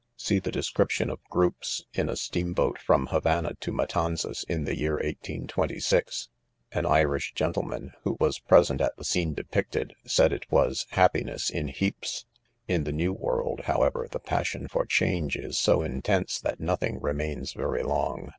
See the description, of groups in a steam boat; from Havana to Matanzas, in the year 1828 D Jut Irish gentleman, who was present at the scene depicted, eaici it was a happin&sab in heaps/' In the New World, however, the passion fir change is s© intense that nothing: remains very long.